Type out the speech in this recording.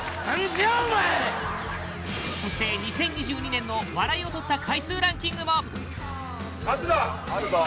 そして２０２２年の笑いを取った回数ランキングも・春日！